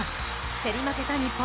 競り負けた日本。